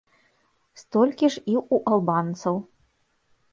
Столькі ж і ў албанцаў.